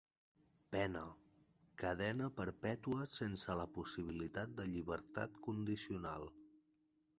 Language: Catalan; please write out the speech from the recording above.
Pena: cadena perpètua sense la possibilitat de llibertat condicional.